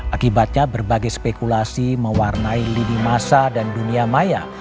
akibatnya berbagai spekulasi mewarnai lini masa dan dunia maya